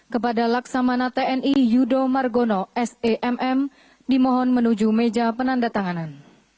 kepada laksamana tni yudo margono semm dimohon menuju meja penanda tanganan